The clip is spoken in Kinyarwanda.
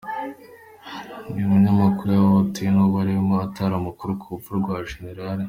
Uyu munyamakuru yahohotewe ubwo yarimo atara amakuru ku rupfu rwa Gen.